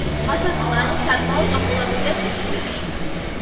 მასატლანი საკმაოდ პოპულარულია ტურისტებში.